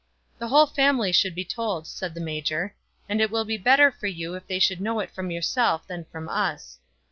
"The whole family should be told," said the major, "and it will be better for you that they should know it from yourself than from us."